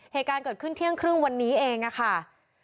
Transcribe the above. เหตุการณ์เกิดขึ้นเที่ยงครึ่งวันนี้เองค่ะ